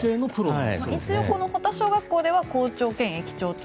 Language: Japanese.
一応この保田小学校では校長兼駅長と。